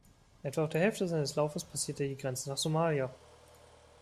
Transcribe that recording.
Etwa auf der Hälfte seines Laufes passiert er die Grenze nach Somalia.